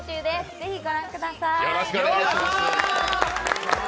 ぜひご覧ください！